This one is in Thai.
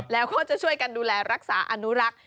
แล้วก็จะช่วยกันดูแลรักษาอนุรักษ์